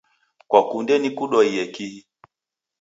Kwakunde nikudwaiye kihi?